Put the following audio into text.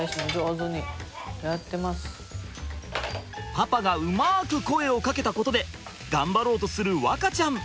パパがうまく声をかけたことで頑張ろうとする和花ちゃん。